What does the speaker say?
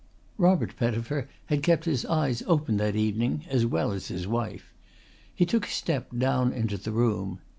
Robert Pettifer had kept his eyes open that evening as well as his wife. He took a step down into the room.